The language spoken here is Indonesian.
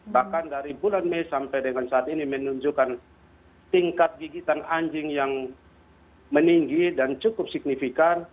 bahkan dari bulan mei sampai dengan saat ini menunjukkan tingkat gigitan anjing yang meninggi dan cukup signifikan